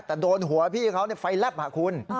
แต่โดนหัวพี่เขาในไฟแรบหาคุณ